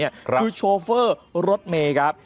คือโชฟอร์หรัฐเมฆครับ